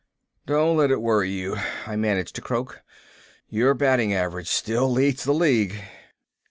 "Don't let it worry you," I managed to croak. "Your batting average still leads the league."